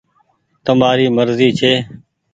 تمآري مرزي ڇي۔